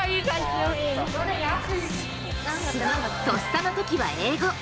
とっさのときは英語。